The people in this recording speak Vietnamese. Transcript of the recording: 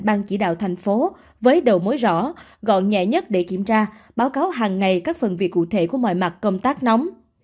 ban chỉ đạo thành phố với đầu mối rõ gọn nhẹ nhất để kiểm tra báo cáo hàng ngày các phần việc cụ thể của mọi mặt công tác nóng